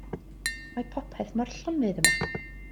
Mae popeth mor llonydd yma.